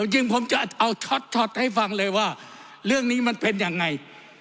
จริงผมจะเอาช็อตให้ฟังเลยว่าเรื่องนี้มันเป็นยังไง